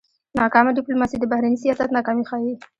ناکامه ډيپلوماسي د بهرني سیاست ناکامي ښيي.